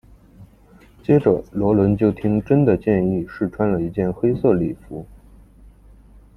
接着萝伦就听珍的建议试穿了一件黑色礼服。